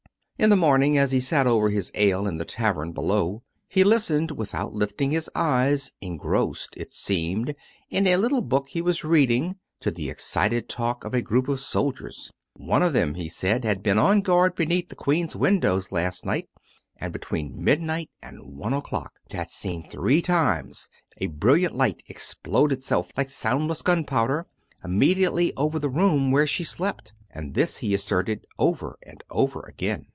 In the morning, as he sat over his ale in the tavern be low, he listened, without lifting his eyes, engrossed, it seemed, in a little book he was reading, to the excited talk of a group of soldiers. One of them, he said, had been on guard beneath the Queen's windows last night, and be tween midnight and one o'clock had seen three times a 344 COME RACK! COME ROPE! brilliant light explode itself, like soundless gunpowder, im mediately over the room where she slept. And this he as serted, over and over again.